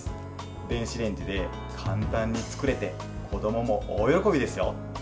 電子レンジで簡単に作れて子どもも大喜びですよ。